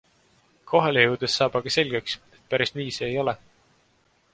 Kohale jõudes saab aga selgeks, et päris nii see ei ole.